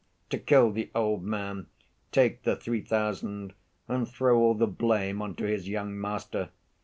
To kill the old man, take the three thousand, and throw all the blame on to his young master.